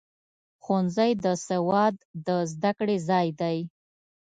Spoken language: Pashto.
ښوونځی د سواد د زده کړې ځای دی.